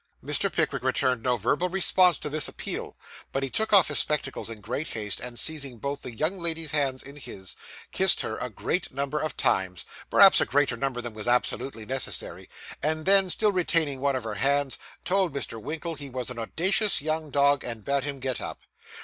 Mr. Pickwick returned no verbal response to this appeal; but he took off his spectacles in great haste, and seizing both the young lady's hands in his, kissed her a great number of times perhaps a greater number than was absolutely necessary and then, still retaining one of her hands, told Mr. Winkle he was an audacious young dog, and bade him get up.